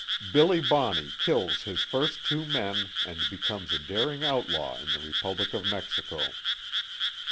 BILLY BONNEY KILLS HIS FIRST TWO MEN, AND BECOMES A DARING OUTLAW IN THE REPUBLIC OF MEXICO.